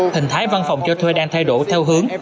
hình thái văn phòng cho thuê đang thay đổi theo hướng